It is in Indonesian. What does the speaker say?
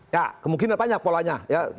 ya kemungkinan banyak polanya